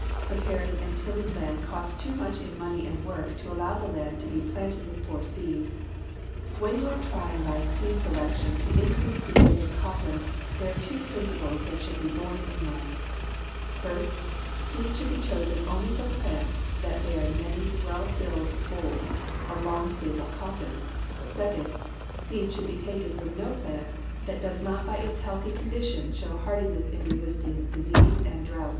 Preparing and tilling land costs too much in money and work to allow the land to be planted with poor seed. When you are trying by seed selection to increase the yield of cotton, there are two principles that should be borne in mind: first, seed should be chosen only from plants that bear many well filled bolls of long staple cotton; second, seed should be taken from no plant that does not by its healthy condition show hardihood in resisting disease and drouth.